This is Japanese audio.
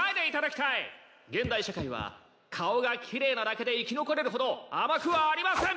現代社会は顔が奇麗なだけで生き残れるほど甘くはありません！